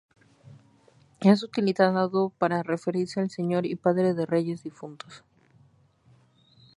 Es utilizado para referirse al señor y padre de reyes difuntos.